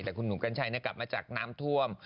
แต่คุณหนุ่มกัญชัยกลับมาจากน้ำท่วม